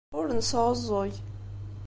Ur nesɛuẓẓug.